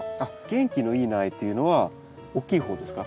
元気のいい苗っていうのは大きい方ですか？